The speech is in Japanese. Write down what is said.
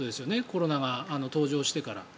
コロナが登場してから。